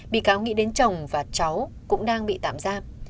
bị cáo nghĩ đến chồng và cháu cũng đang bị tạm giam